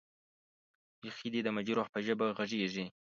بېخي دې د مجروح به ژبه غږېږې.